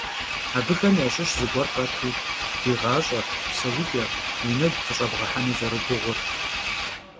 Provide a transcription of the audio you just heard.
Abıxem yaşış zıguer khetu di ğaş'er, pseuç'er vui negu khış'ebğehenu zerıguğur.